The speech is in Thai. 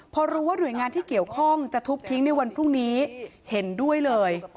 พอรู้ว่าหน่วยงานที่เกี่ยวข้องจะทุบทิ้งในวันพรุ่งนี้เห็นด้วยเลย